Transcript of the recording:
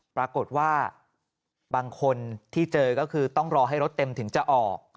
ปรากฏว่าบางคนที่เจอก็คือต้องรอให้รถเต็มถึงจะออก